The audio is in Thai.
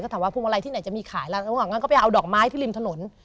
ก็ถามว่าภูมิมาลัยที่ไหนจะมีขายแล้วแล้วก็ไปเอาดอกไม้ที่ริมถนน